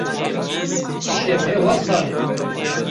Îşev hewa sar e.